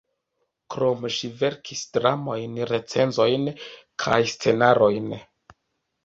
Krome ŝi verkis dramojn, recenzojn kaj scenarojn.